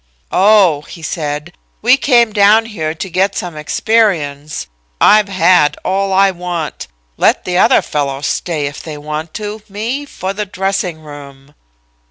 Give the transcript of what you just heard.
"'Oh,' he said, 'we came down here to get some experience. I've had all I want. Let the other fellows stay, if they want to; me for the dressing room.'